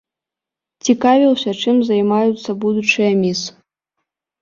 Цікавіўся, чым займаюцца будучыя міс.